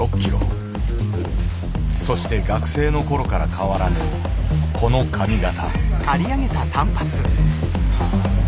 そして学生の頃から変わらぬこの髪形。